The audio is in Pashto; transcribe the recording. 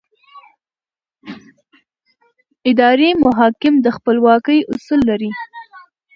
اداري محاکم د خپلواکۍ اصل لري.